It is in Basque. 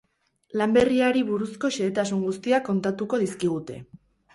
Lan berriari buruzko xehetasun guztiak kontatuko dizkigute.